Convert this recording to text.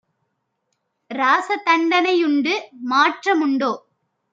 ராச தண்டனை யுண்டு! மாற்ற முண்டோ?